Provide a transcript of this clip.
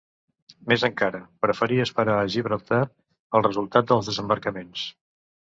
Més encara, preferí esperar a Gibraltar el resultat dels desembarcaments.